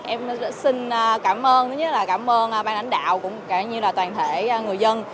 em xin cảm ơn cảm ơn ban đánh đạo cũng như toàn thể người dân